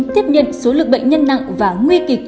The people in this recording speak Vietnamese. tiếp nhận số lượng bệnh nhân nặng và nguy kịch